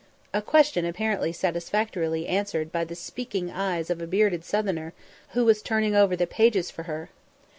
a question apparently satisfactorily answered by the speaking eyes of a bearded Southerner, who was turning over the pages for her.